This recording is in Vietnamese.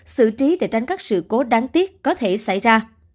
xử trí để tránh các sự cố đáng tiếc có thể xảy ra